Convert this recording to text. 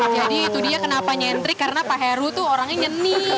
jadi itu dia kenapa nyentrik karena pak heru tuh orangnya nyanyi